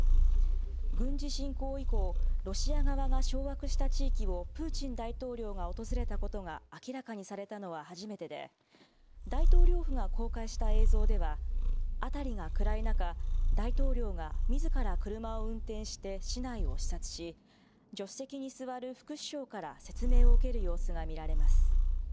軍事侵攻以降、ロシア側が掌握した地域をプーチン大統領が訪れたことが明らかにされたのは初めてで、大統領府が公開した映像では、辺りが暗い中、大統領がみずから車を運転して市内を視察し、助手席に座る副首相から説明を受ける様子が見られます。